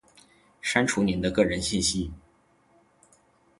删除您的个人信息；